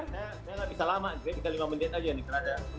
saya nggak bisa lama jadi sekitar lima menit aja nih